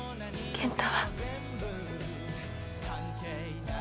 健太。